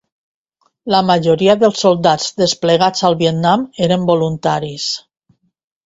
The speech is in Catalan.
La majoria dels soldats desplegats al Vietnam eren voluntaris.